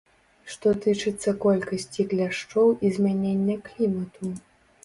Што тычыцца колькасці кляшчоў і змянення клімату.